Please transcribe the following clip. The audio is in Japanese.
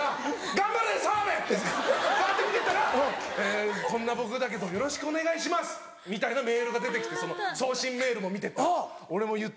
「頑張れ澤部！」ってバって見てったら「こんな僕だけどよろしくお願いします」みたいなメールが出て来て送信メールも見てったら俺も言って。